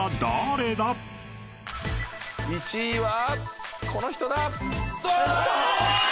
１位はこの人だ！